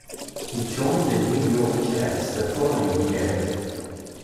He joined the New York Jets the following year.